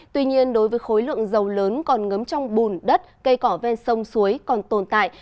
tuy nhiên đối với khối lượng dầu lớn còn ngấm trong bùn đất cây cỏ ven sông suối còn tồn tại